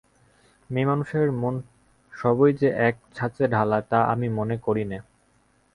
মেয়েমানুষের মন সবই যে এক-ছাঁচে-ঢালা তা আমি মনে করি নে।